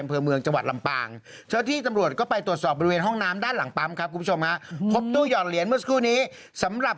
ผู้หญิงพี่เมียวตัดผมไหมสวยมาก